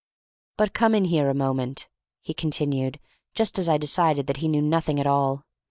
"But come in here a moment," he continued, just as I decided that he knew nothing at all.